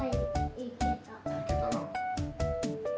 いけたな。